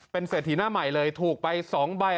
เป็นเศรษฐีหน้าใหม่เลยถูกไป๒ใบ